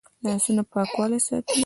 لاسونه پاکوالی ساتي